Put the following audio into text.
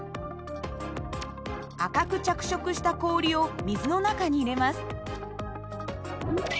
赤く着色した氷を水の中に入れます。